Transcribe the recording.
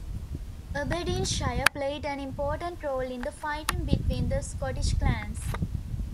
Aberdeenshire played an important role in the fighting between the Scottish clans.